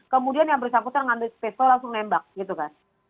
kemudian yang bersangkutan mengandungi sepeda langsung menembak gitu kan